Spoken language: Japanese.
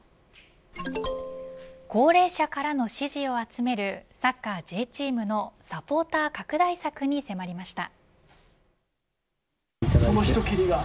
高齢者からの支持を集めるサッカーＪチームのサポーター拡大策に迫りました。